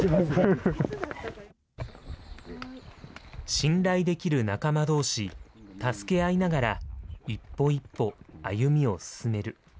信頼できる仲間どうし、助け合いながら、一歩一歩歩みを進める。